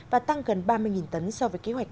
và tăng gần ba mươi tấn so với kế hoạch